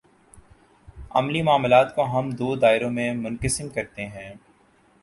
عملی معاملات کو ہم دو دائروں میں منقسم کرتے ہیں۔